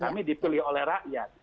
kami dipilih oleh rakyat